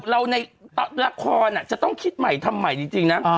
เราในละครอ่ะจะต้องคิดใหม่ทำใหม่จริงน้า